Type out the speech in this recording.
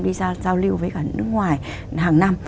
đã giao lưu với cả nước ngoài hàng năm